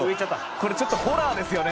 これちょっとホラーですよね